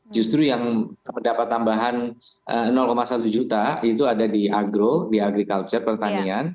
justru yang dapat tambahan satu juta itu ada di agro di agriculture pertanian